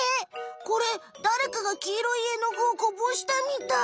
これだれかがきいろいえのぐをこぼしたみたい。